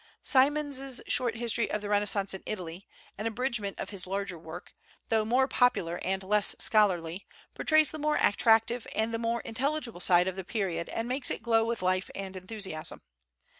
Symonds's "Short History of the Renaissance in Italy," an abridgement of his larger work, though more popular and less scholarly, portrays the more attractive and the more intelligible side of the period and makes it glow with life and enthusiasm.